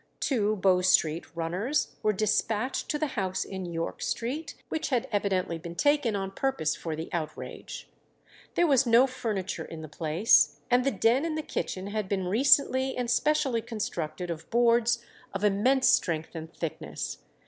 Two Bow Street runners were despatched to the house in York Street, which had evidently been taken on purpose for the outrage. There was no furniture in the place, and the den in the kitchen had been recently and specially constructed of boards of immense strength and thickness.